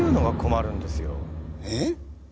えっ？